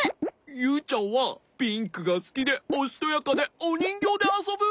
ユウちゃんはピンクがすきでおしとやかでおにんぎょうであそぶ！